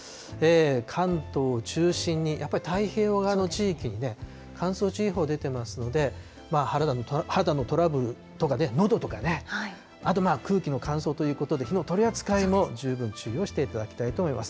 関東を中心にやっぱり太平洋側の地域にね、乾燥注意報出てますので、肌のトラブルとかね、のどとかね、あと空気の乾燥ということで、火の取り扱いも十分注意をしていただきたいと思います。